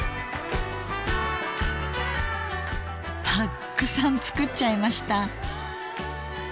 たっくさん作っちゃいました。